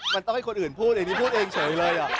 มันต้องให้คนอื่นพูดอันนี้พูดเองเฉยเลย